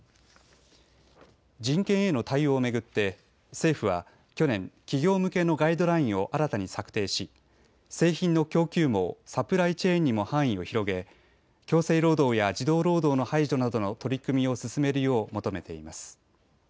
人権への対応を巡って政府は去年、企業向けのガイドラインを新たに策定し、製品の供給網・サプライチェーンにも範囲を広げ強制労働や児童労働の排除などの取り組みを進めるよう求めています。